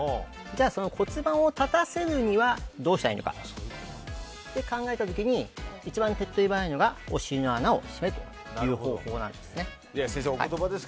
骨盤を立たせるにはどうしたらいいのかと考えた時に一番手っ取り早いのがお尻の穴を締めるという方法なんです。